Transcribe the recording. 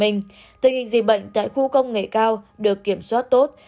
tình hình dịch bệnh tại khu công nghệ cao được kiểm soát tốt